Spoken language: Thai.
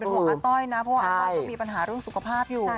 ห่วงอัต้อยนะเพราะอัต้อยมีปัญหาร่วงสุขภาพอยู่